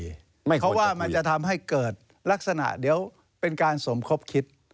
เพราะว่ามันจะทำให้เกิดลักษณะเดี๋ยวเป็นการสมคบคิด